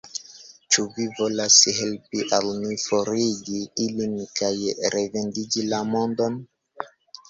Ĉu vi volas helpi al ni forigi ilin kaj reverdigi la mondon?